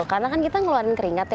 karena kan kita ngeluarin keringat ya